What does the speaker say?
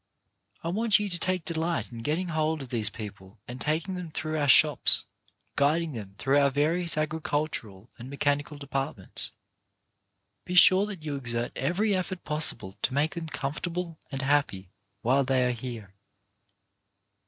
I want you to take delight in getting hold of these people and taking them through our shops, guiding them through our various agricultural and mechanical departments. Be sure that you exert every effort possible to make them com fortable and happy while they are here.